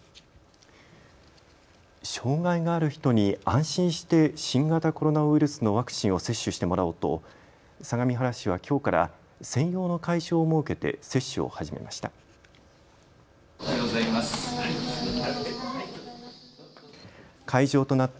障害がある人に安心して新型コロナウイルスのワクチンを接種してもらおうと相模原市はきょうから専用の会場を設けて接種を始めました。